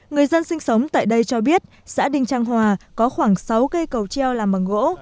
người dân sinh sống tại đây cho biết xã đinh trang hòa có khoảng sáu cây cầu treo làm bằng gỗ